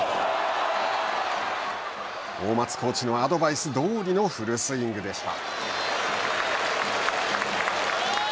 大松コーチのアドバイスどおりのフルスイングでした。